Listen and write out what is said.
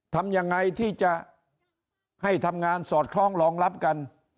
ทำยังไงที่จะให้ทำงานสอดคล้องรองรับกัน